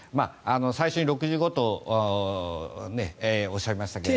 最初に６５歳とおっしゃいましたが。